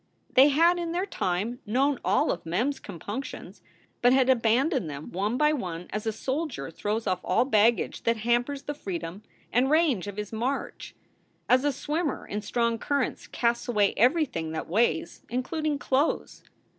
They had in their time known all of Mem s compunctions, but had abandoned them one by one as a soldier throws off all baggage that hampers the freedom and range of his march; as a swimmer in strong currents casts away every thing that weighs, including clothes.